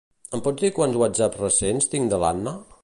Em pots dir quants whatsapps recents tinc de l'Anna?